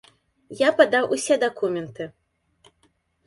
Я падаў усе дакументы.